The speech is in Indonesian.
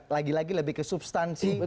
lagi lagi lebih ke substansi